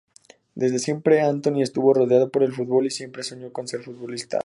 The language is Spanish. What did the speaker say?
Desde siempre Anthony estuvo rodeado por el fútbol y siempre soñó con ser futbolista.